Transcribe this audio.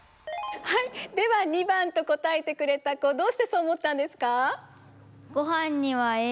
はいでは２ばんとこたえてくれたこどうしてそう思ったんですか？